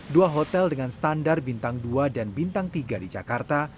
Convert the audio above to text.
dua hotel dengan standar bintang dua dan bintang tiga di jakarta